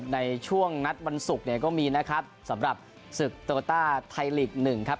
ในช่วงนัดวันศุกร์เนี่ยก็มีนะครับสำหรับศึกโตโลต้าไทยลีก๑ครับ